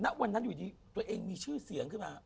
ณวันนั้นอยู่ดีตัวเองมีชื่อเสียงขึ้นมา